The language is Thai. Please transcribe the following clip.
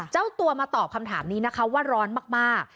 เจ้าตัวมาตอบคำถามนี้นะคะว่าร้อนมาก